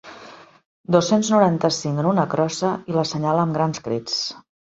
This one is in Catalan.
Dos-cents noranta-cinc en una crossa i l'assenyala amb grans crits.